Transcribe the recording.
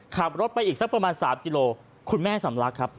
ขับรถไปอีกสักประมาณ๓กิโลคุณแม่สำลักครับ